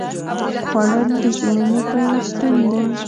خوړل د زړونو پیوستون دی